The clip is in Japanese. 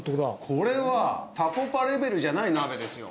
これはたこパレベルじゃない鍋ですよ。